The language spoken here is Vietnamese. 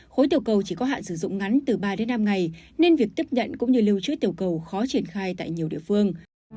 khối tiểu cầu chỉ có hạn sử dụng ngắn từ ba đến năm ngày nên việc tiếp nhận cũng như lưu trữ tiểu cầu khó triển khai tại nhiều địa phương